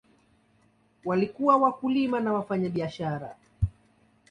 Walikuwa wakulima na wafanyabiashara.